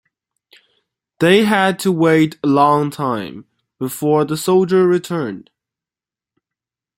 They had to wait a long time before the soldier returned.